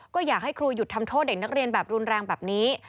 ก็อยากให้ครูหยุดทำโทษเด็กนักเรียนแบบรุนแรงแบบนี้